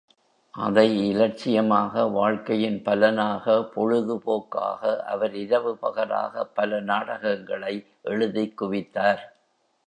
அதை இலட்சியமாக, வாழ்க்கையின் பலனாக, பொழுது போக்காக அவர் இரவு பகலாக பல நாடகங்களை எழுதிக் குவித்தார்.